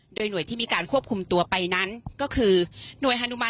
โดยหน่วยที่มีการควบคุมตัวไปนั้น